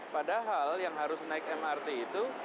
padahal yang harus naik mrt itu